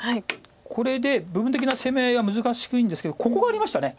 これで部分的な攻め合いは難しいんですけどここがありました。